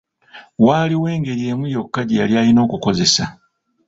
Waaliwo engeri emu yokka gye yali alina okukozesa.